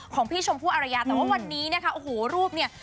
ของพี่ชมผู้อรณญาแต่ว่าวันนี้เนี้ยอ๋อโหรูปเนี้ย